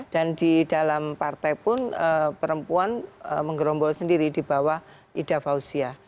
dan di dalam partai pun perempuan menggerombol sendiri di bawah ida fauzia